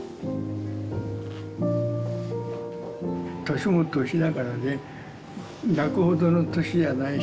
年も年だからね泣くほどの年じゃないし。